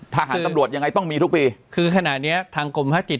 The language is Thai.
ทหารตำรวจยังไงต้องมีทุกปีคือขณะเนี้ยทางกรมภาคกิจ